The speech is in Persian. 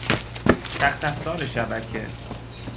سخت افزار شبکه